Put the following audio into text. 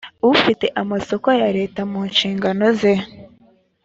ufite amasoko ya leta mu nshingano ze